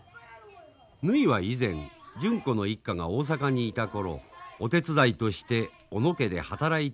ぬひは以前純子の一家が大阪にいた頃お手伝いとして小野家で働いていた女性であります。